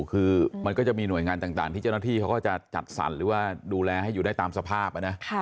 คือมันก็จะมีหน่วยงานต่างที่เจ้าหน้าที่เขาก็จะจัดสรรหรือว่าดูแลให้อยู่ได้ตามสภาพนะ